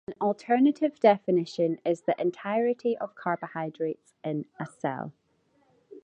An alternative definition is the entirety of carbohydrates in a cell.